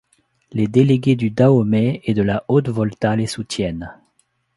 Les délégués du Dahomey et de la Haute-Volta les soutiennent.